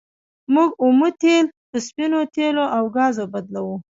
موږ اومه تیل په سپینو تیلو او ګازو بدلوو.